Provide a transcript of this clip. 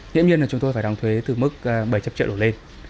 tuyện nhiên là chúng tôi phải đóng thuế từ mức bảy trăm linh triệu đổ lên